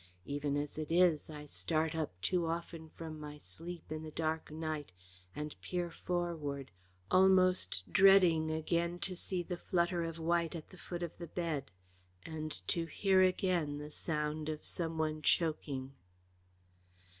Even as it is, I start up too often from my sleep in the dark night and peer forward almost dreading again to see the flutter of white at the foot of the bed, and to hear again the sound of some one choking.